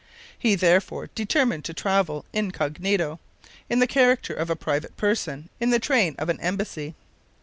He therefore determined to travel incognito, in the character of a private person in the train of an embassy.